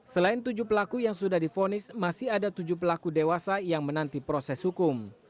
selain tujuh pelaku yang sudah difonis masih ada tujuh pelaku dewasa yang menanti proses hukum